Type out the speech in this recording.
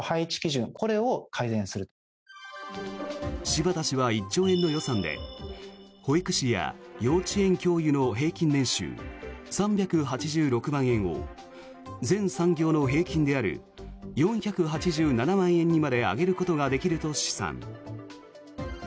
柴田氏は１兆円の予算で保育士や幼稚園教諭の平均年収３８６万円を全産業の平均である４８７万円にまで上げることができると試算。